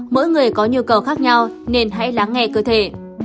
mỗi người có nhu cầu khác nhau nên hãy lắng nghe cơ thể